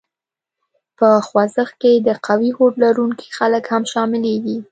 په خوځښت کې د قوي هوډ لرونکي خلک هم شامليږي.